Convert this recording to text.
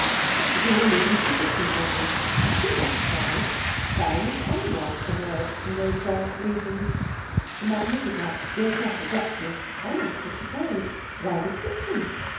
The door leading to the kitchen opened, and to her surprise Baroness Elmreich emerged from those dark regions. The Magnificat broke off abruptly. Anna was surprised. Why the kitchen?